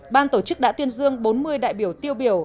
ban tổ chức đã tuyên dương bốn mươi đại biểu tiêu biểu